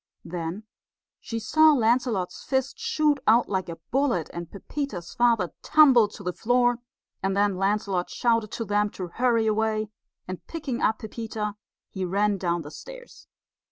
Then she saw Lancelot's fist shoot out like a bullet, and Pepita's father tumble to the floor; and then Lancelot shouted to them to hurry away, and picking up Pepita, he ran down the stairs.